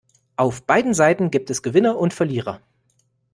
Auf beiden Seiten gibt es Gewinner und Verlierer.